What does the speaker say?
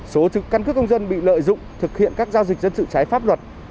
số căn cước công dân bị lợi dụng thực hiện các giao dịch dân sự trái pháp luật